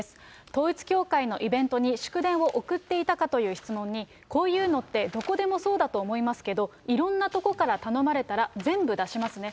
統一教会のイベントに祝電を送っていたかという質問に、こういうのってどこでもそうだと思いますけど、いろんなとこから頼まれたら全部出しますね。